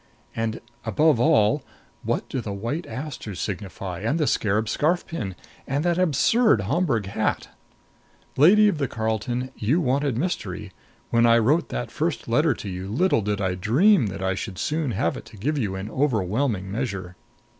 And, above all, what do the white asters signify? And the scarab scarf pin? And that absurd Homburg hat? Lady of the Carlton, you wanted mystery. When I wrote that first letter to you, little did I dream that I should soon have it to give you in overwhelming measure.